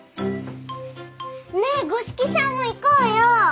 ねえ五色さんも行こうよ。